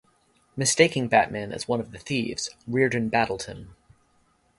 Mistaking Batman as one of the thieves, Reardon battled him.